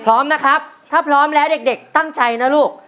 พร้อมนะครับถ้าพร้อมแล้วเด็กตั้งใจนะลูก